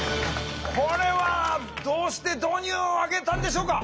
これはどうして導入をあげたんでしょうか？